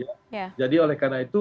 oke jadi oleh karena itu